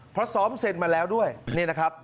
เพราะซ้อมเซ็นมาแล้วด้วยนี่นะครับ